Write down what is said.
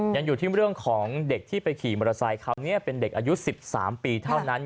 ยังอยู่ที่เรื่องของเด็กที่ไปขี่มอเตอร์ไซค์คราวนี้เป็นเด็กอายุ๑๓ปีเท่านั้น